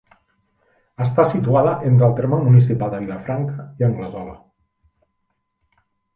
Està situada entre el terme municipal de Vilafranca i Anglesola.